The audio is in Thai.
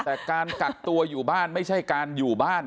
แต่การกักตัวอยู่บ้านไม่ใช่การอยู่บ้าน